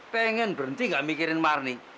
pengen berhenti gak mikirin mary